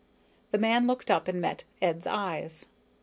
The man looked up and met Ed's eyes.